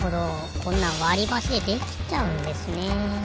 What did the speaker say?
こんなんわりばしでできちゃうんですね。